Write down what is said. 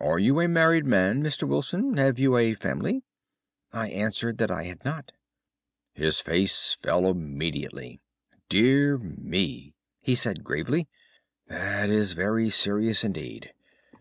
Are you a married man, Mr. Wilson? Have you a family?' "I answered that I had not. "His face fell immediately. "'Dear me!' he said gravely, 'that is very serious indeed!